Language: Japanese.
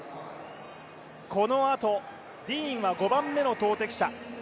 このあとディーンは５番目の投てき者。